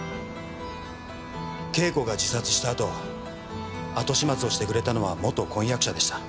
慶子が自殺したあと後始末をしてくれたのは元婚約者でした。